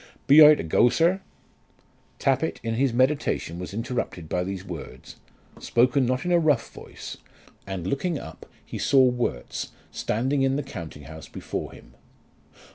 "Be I to go, sir?" Tappitt in his meditation was interrupted by these words, spoken not in a rough voice, and looking up he saw Worts standing in the counting house before him.